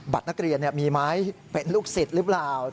นักเรียนมีไหมเป็นลูกศิษย์หรือเปล่า